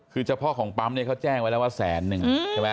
คือเฉพาะของปั๊มเขาแจ้งไว้แล้วว่าแสนนึง